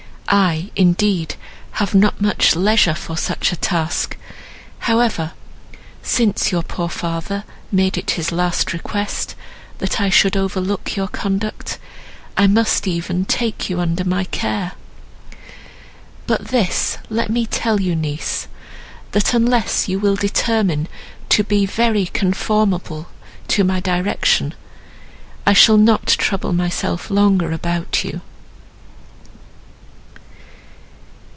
I, indeed, have not much leisure for such a task; however, since your poor father made it his last request, that I should overlook your conduct—I must even take you under my care. But this let me tell you niece, that, unless you will determine to be very conformable to my direction, I shall not trouble myself longer about you."